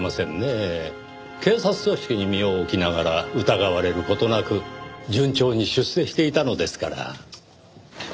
警察組織に身を置きながら疑われる事なく順調に出世していたのですから。